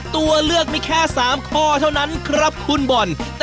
ตัวเลือกมีแค่๓ข้อเท่านั้นครับคุณบอล